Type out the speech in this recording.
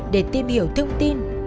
để tìm hiểu thông tin